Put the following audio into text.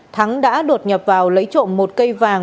thắng đã đột nhập vào lấy trộm một cây vàng